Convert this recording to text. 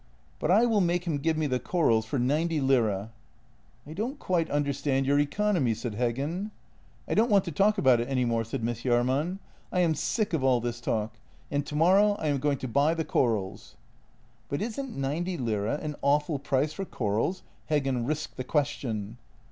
But I will make him give me the corals for ninety lire." " I don't quite understand your economy," said Heggen. " I don't want to talk about it any more," said Miss Jahrman. " I am sick of all this talk — and tomorrow I am going to buy the corals." " But isn't ninety lire an awful price for corals? " Heggen risked the question.